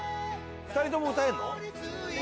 ２人とも歌えるの？